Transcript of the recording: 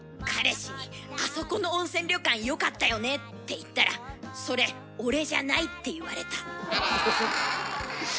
彼氏に「あそこの温泉旅館よかったよね」って言ったら「それ俺じゃない」って言われた。